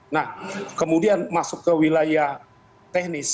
nah kemudian masuk ke wilayah teknis